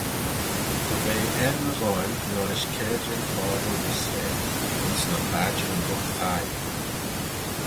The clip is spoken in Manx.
Dy ve er ny ghoaill liorish Caarjyn Phobble Israel, ayns nyn badjeryn lught-thie.